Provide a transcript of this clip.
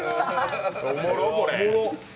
おもろ、これ。